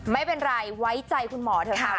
ไม่เป็นไรไว้ใจคุณหมอเถอะค่ะ